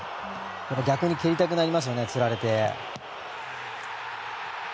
逆に蹴りたくなりますよねつられて。